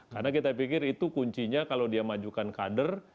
karena kita pikir itu kuncinya kalau dia majukan kader